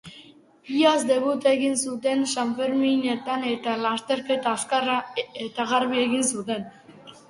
Iaz debuta egin zuten sanferminetan, eta lasterketa azkarra eta garbia egin zuten.